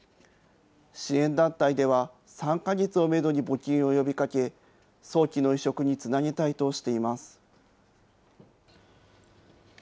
支援団体では３か月をメドに募金を呼びかけ、早期の移植につなげたいとしています。